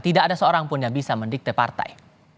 tidak ada seorang pun yang bisa mendikte partai